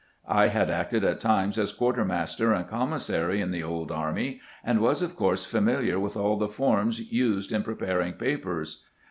I had acted at times as quartermaster and. commissary in the old army, and was of course familiar with all the forms used in preparing papers.